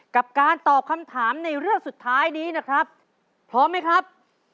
กับการตอบคำถามในเรื่องสุดท้ายนี้นะครับพร้อมไหมครับ